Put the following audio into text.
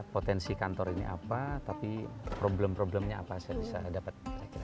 potensi kantor ini apa tapi problem problemnya apa saya bisa dapat